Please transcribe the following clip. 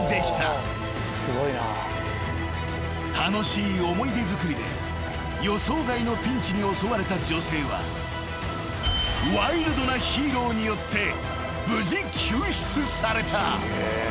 ［楽しい思い出づくりで予想外のピンチに襲われた女性はワイルドなヒーローによって無事救出された］